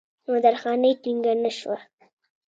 نو درخانۍ ټينګه نۀ شوه